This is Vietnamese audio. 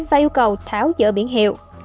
và yêu cầu tháo dỡ biển hiệu